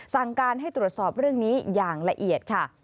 สั่งการให้ตรวจสอบเรื่องนี้อย่างละเอียดค่ะ